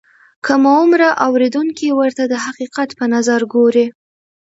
کم عمره اورېدونکي ورته د حقیقت په نظر ګوري.